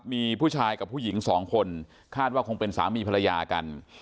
มีผู้ชายกับผู้หญิงสองคนคาดว่าคงเป็นสามีภรรยากัน